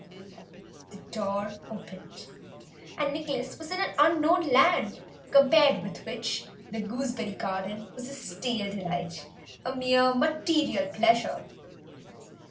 The door opened, and Nicholas was in an unknown land, compared with which the gooseberry garden was a stale delight, a mere material pleasure.